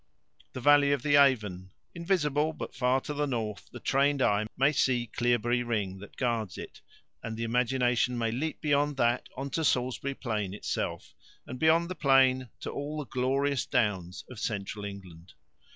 The valley of the Avon invisible, but far to the north the trained eye may see Clearbury Ring that guards it, and the imagination may leap beyond that on to Salisbury Plain itself, and beyond the Plain to all the glorious downs of Central England.